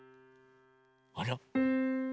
あら？